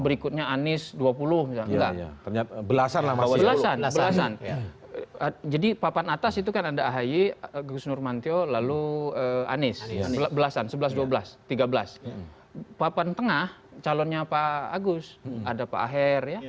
berikutnya anies dua puluh belasan jadi papan atas itu kan ada ahaye gus nurmantyo lalu anies belasan sebelas dua belas tiga belas